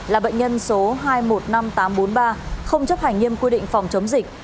là bệnh nhân số hai trăm một mươi năm nghìn tám trăm bốn mươi ba không chấp hành nghiêm quy định phòng chống dịch